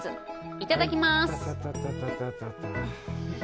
いただきます！